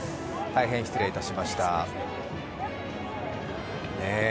大変失礼いたしました。